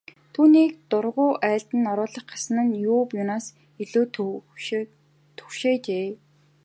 Түүнийг дургүй айлд нь оруулах гэсэн нь юу юунаас ч илүү түгшээжээ.